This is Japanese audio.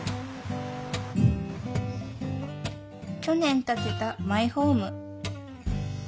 去年建てたマイホーム。